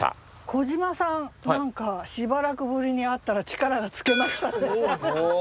小島さん何かしばらくぶりに会ったら力がつきましたね。